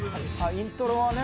イントロはね。